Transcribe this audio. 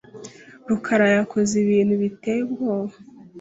rukarayakoze ibintu biteye ubwoba.